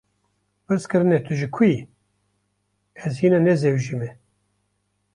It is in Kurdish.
Pirs kirine tu ji ku yî, ‘ez hîna nezewujime’